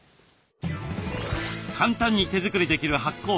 簡単に手作りできる発酵食。